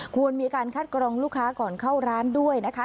ควรมีการคัดกรองลูกค้าก่อนเข้าร้านด้วยนะคะ